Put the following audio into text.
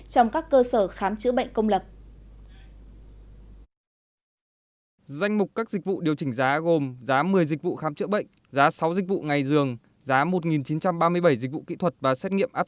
trong các cơ sở khám chữa bệnh